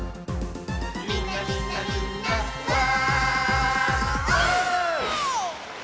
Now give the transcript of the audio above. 「みんなみんなみんなわお！」